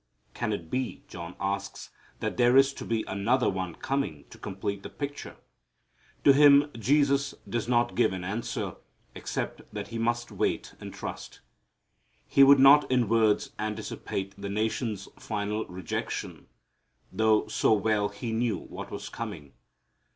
Can it be, John asks, that there is to be another one coming to complete the picture? To him Jesus does not give an answer, except that he must wait and trust. He would not in words anticipate the nation's final rejection, though so well He knew what was coming.